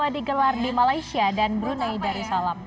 di gelar di malaysia dan brunei darussalam